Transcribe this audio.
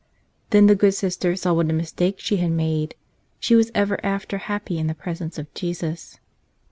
Then the good Sister saw what a mistake she had made. She was ever after happy in the presence of Jesus.